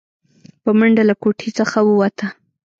په منډه له کوټې څخه ووته.